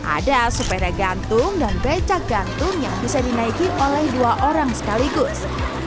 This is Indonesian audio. ada sepeda gantung dan becak gantung yang bisa dinaiki oleh dua orang sekaligus